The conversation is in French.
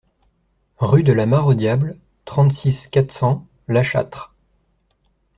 Rue de la Mare au Diable, trente-six, quatre cents La Châtre